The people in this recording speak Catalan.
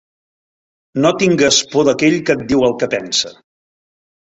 No tingues por d'aquell que et diu el que pensa.